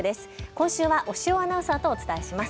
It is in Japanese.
今週は押尾アナウンサーとお伝えします。